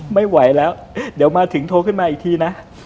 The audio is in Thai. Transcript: ไม่ไหวแล้วเดี๋ยวมาถึงโทรขึ้นมาอีกทีนะ